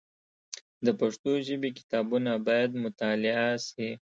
د پښتو ژبي کتابونه باید مطالعه سي.